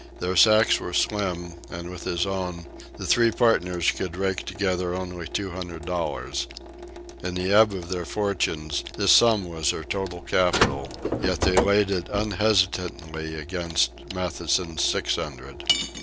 Their sacks were slim, and with his own the three partners could rake together only two hundred dollars. In the ebb of their fortunes, this sum was their total capital; yet they laid it unhesitatingly against Matthewson's six hundred.